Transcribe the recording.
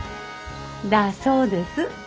だそうです。